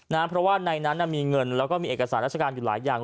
เพราะว่าในนั้นมีเงินแล้วก็มีเอกสารราชการอยู่หลายอย่าง